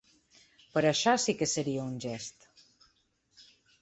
Però això sí que seria un gest.